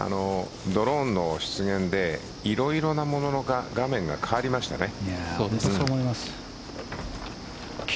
ドローンの出現でいろいろなものの画面が変わりましたね。